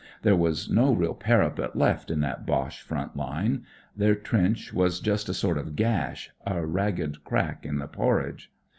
There was no real parapet left in that Boche front line. Their trench was just a sort of gash, a ragged crack in the porridge.